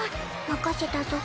任せたぞ